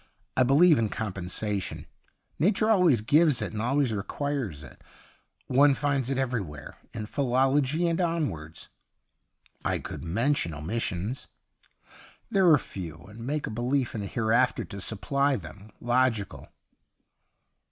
I believe in compensation. Nature always gives it and always requires it. One finds it everywhere, in philology and onwards.' ' I could mention omissions.' ' They are few, and make a belief in a hereafter to supply them logical.'